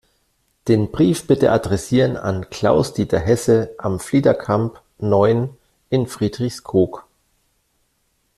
Den Brief bitte adressieren an Klaus-Dieter Hesse, Am Fliederkamp neun in Friedrichskoog.